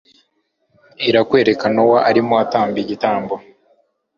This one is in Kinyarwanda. irakwereka Nowa arimo atamba igitambo